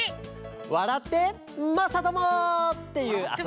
「わらってまさとも！」っていうあそび！